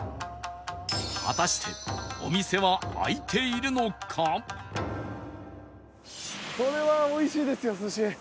果たしてこれは美味しいですよ寿司。